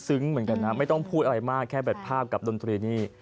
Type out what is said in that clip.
เหมือนกันนะไม่ต้องพูดอะไรมากแค่แท็ตภาพกับดนตรีนี่